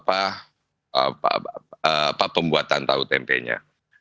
apa pembuatan tahu tempenya